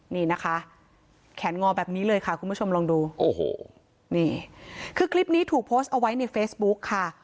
นี่นะคะแขนงอแบบนี้เลยค่ะคุณผู้ชมลองดูโอ้โหนี่คือคลิปนี้ถูกโพสต์เอาไว้ในเฟซบุ๊กค่ะ